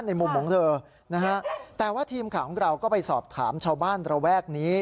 มุมของเธอนะฮะแต่ว่าทีมข่าวของเราก็ไปสอบถามชาวบ้านระแวกนี้